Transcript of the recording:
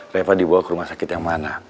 reva dibawa ke rumah sakit yang mana